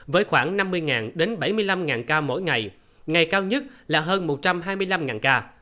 với khoảng năm mươi đến bảy mươi năm ca mỗi ngày ngày cao nhất là hơn một trăm hai mươi năm ca